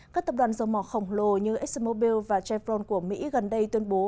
các tập đoàn dầu mỏ khổng lồ như exxonmobil và chevron của mỹ gần đây tuyên bố